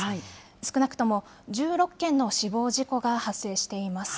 少なくとも１６件の死亡事故が発生しています。